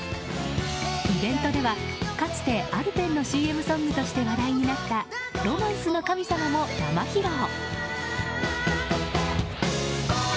イベントでは、かつてアルペンのＣＭソングとして話題になった「ロマンスの神様」も生披露。